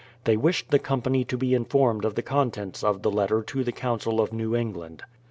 They wished the company to be in formed of the contents of the letter to the Council of New England.